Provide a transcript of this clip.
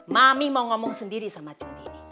mami mau ngomong sendiri sama cuti